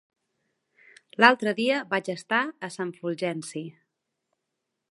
L'altre dia vaig estar a Sant Fulgenci.